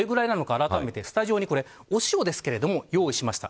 あらためてスタジオにお塩ですが用意しました。